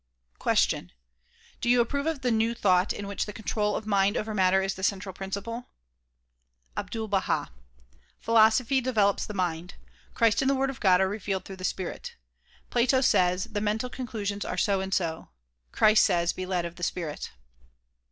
'' Question: Do you approve of the "new thought" in which the control of mind over matter is the central principle? Ahdul Baha: Philosophy develops the mind. Christ and the Word of God are revealed through the Spirit. Plato says "The mental conclusions are so and so." Christ says "Be led of the Spirit."